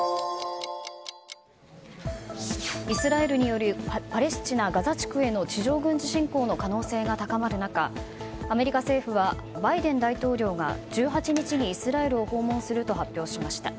イスラエルによるパレスチナ・ガザ地区への地上軍事侵攻の可能性が高まる中アメリカ政府はバイデン大統領が１８日にイスラエルを訪問すると発表しました。